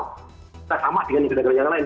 kita sama dengan negara negara yang lain